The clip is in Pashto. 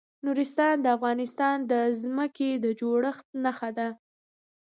نورستان د افغانستان د ځمکې د جوړښت نښه ده.